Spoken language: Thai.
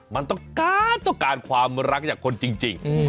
มันต้องการต้องการความรักจากคนจริง